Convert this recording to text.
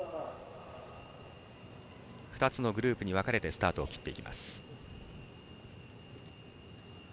２つのグループに分かれてスタートします。